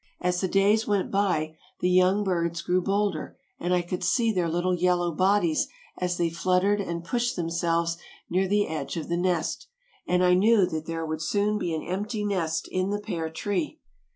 As the days went by the young birds grew bolder and I could see their little yellow bodies as they fluttered and pushed themselves near the edge of the nest, and I knew that there would soon be an empty nest in the pear tree.